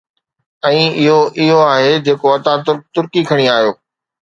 ۽ اھو اھو آھي جيڪو اتا ترڪ ترڪي کڻي آيو.